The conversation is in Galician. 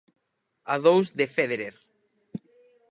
A dous de Féderer.